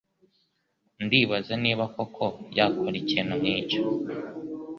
Ndibaza niba koko yakora ikintu nkicyo.